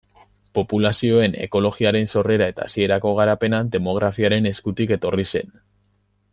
Populazioen ekologiaren sorrera eta hasierako garapena demografiaren eskutik etorri zen.